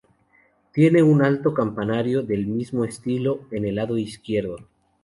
Tiene un alto campanario del mismo estilo, en el lado izquierdo.